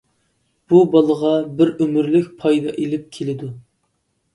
بۇ بالىغا بىر ئۆمۈرلۈك پايدا ئېلىپ كېلىدۇ.